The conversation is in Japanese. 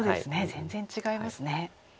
全然違いますね。